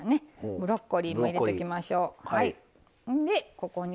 ブロッコリーも入れていきましょう。